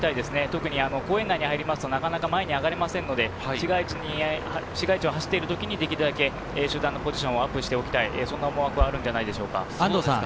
特に公園内に入ると、なかなか前に上がれませんので、市街地を走っているときにできるだけ集団のポジションアップしておきたい、そんな思惑があるんじゃないでしょうか。